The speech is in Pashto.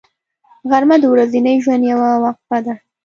غرمه د ورځني ژوند یوه وقفه ده